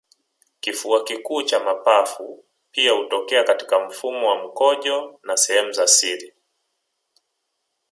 kifua kikuu cha mapafu pia hutokea katika mfumo wa mkojo na sehemu za siri